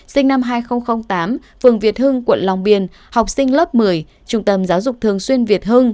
sinh năm hai nghìn tám phường việt hưng quận long biên học sinh lớp một mươi trung tâm giáo dục thường xuyên việt hưng